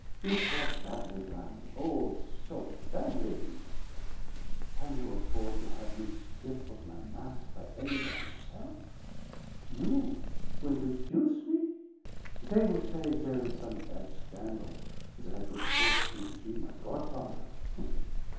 "It was badly done; oh, so badly!" he whispered. "Can you afford to have me strip' of my mask by any but yourself? You, who introduce' me? They will say there is some bad scandal that I could force you to be my god father.